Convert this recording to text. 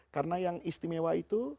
karena yang istimewa itu